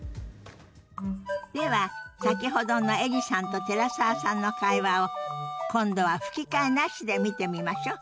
では先ほどのエリさんと寺澤さんの会話を今度は吹き替えなしで見てみましょ。